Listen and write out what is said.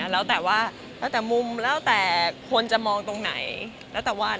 แล้วแต่ว่าแล้วแต่มุมแล้วแต่คนจะมองตรงไหนแล้วแต่ว่า